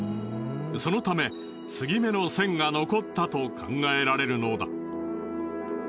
そのため継ぎ目の線が残ったと考えられるのだ。